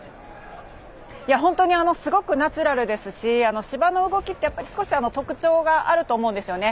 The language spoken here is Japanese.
すごくナチュラルですし芝の動きって少し特徴があると思うんですよね。